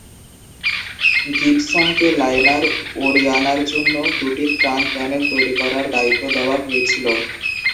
গিবসনকে liner ওরিয়ানার জন্য দুটি ত্রাণ প্যানেল তৈরি করার দায়িত্ব দেওয়া হয়েছিল।